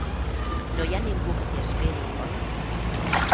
No hi ha ningú que t'hi esperi, oi?